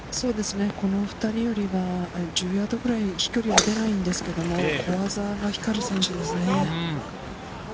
この２人よりは１０ヤードくらい飛距離は出ないんですけど、小技の光る選手ですよね。